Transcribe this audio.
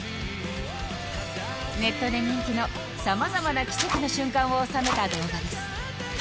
ネットで人気の、さまざまな奇跡の瞬間を収めた動画です。